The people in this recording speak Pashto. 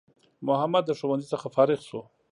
محمد د ښوونځی څخه فارغ سو